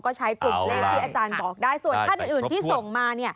ก็ใช้กลุ่มเลขที่อาจารย์บอกได้ส่วนท่านอื่นที่ส่งมา